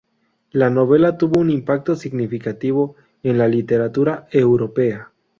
La novela tuvo un impacto significativo en la literatura europea.